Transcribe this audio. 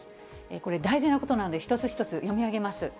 これ、大事なことなんで、一つ一つ読み上げます。